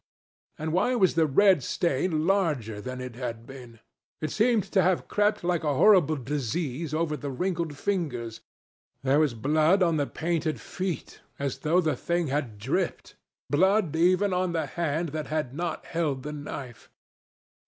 And why was the red stain larger than it had been? It seemed to have crept like a horrible disease over the wrinkled fingers. There was blood on the painted feet, as though the thing had dripped—blood even on the hand that had not held the knife.